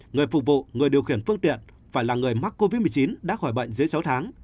người phục vụ người điều khiển phương tiện phải là người mắc covid một mươi chín đã khỏi bệnh dưới sáu tháng